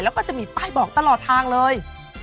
แล้วก็จะมีป้ายบอกตลอดทางเลย